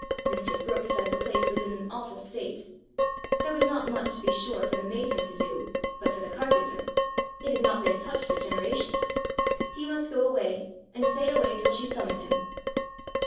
Mistress Brookes said the place was in an awful state. There was not much, to be sure, for the mason to do, but for the carpenter! It had not been touched for generations! He must go away, and stay away till she summoned him!